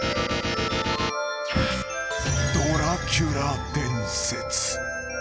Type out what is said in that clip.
［ドラキュラ伝説］